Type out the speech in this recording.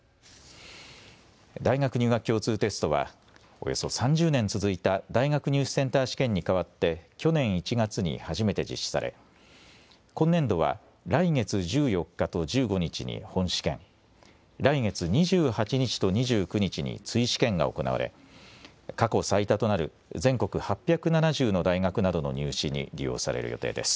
大学入学共通テストはおよそ３０年続いた大学入試センター試験に代わって去年１月に初めて実施され今年度は来月１４日と１５日に本試験、来月２８日と２９日に追試験が行われ過去最多となる全国８７０の大学などの入試に利用される予定です。